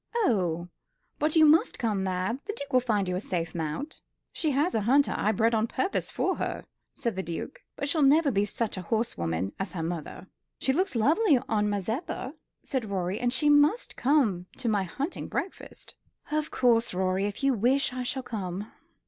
"Oh, but you must come, Mab. The Duke will find you a safe mount." "She has a hunter I bred on purpose for her," said the Duke; "but she'll never be such a horsewoman as her mother." "She looks lovely on Mazeppa," said Rorie; "and she must come to my hunting breakfast." "Of course, Rorie, if you wish I shall come."